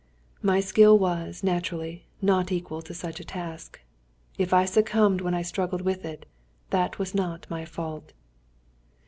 My skill was, naturally, not equal to such a task. If I succumbed when I struggled with it, that was not my fault.